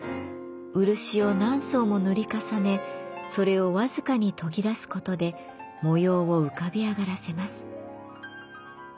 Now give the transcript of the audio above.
漆を何層も塗り重ねそれを僅かに研ぎ出すことで模様を浮かび上がらせます。